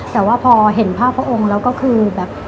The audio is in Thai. แต่ว่าพอเห็นภาพพระองค์แล้วก็คือแบบ